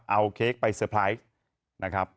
เอาเค้กไปเซอร์ไพรส์